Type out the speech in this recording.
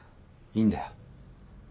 いいんだよ。